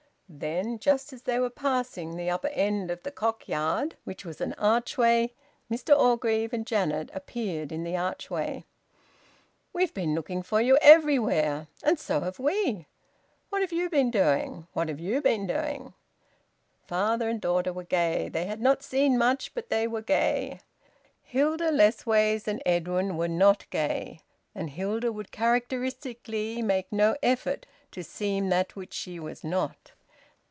Then, just as they were passing the upper end of the Cock Yard, which was an archway, Mr Orgreave and Janet appeared in the archway. "We've been looking for you everywhere." "And so have we." "What have you been doing?" "What have you been doing?" Father and daughter were gay. They had not seen much, but they were gay. Hilda Lessways and Edwin were not gay, and Hilda would characteristically make no effort to seem that which she was not.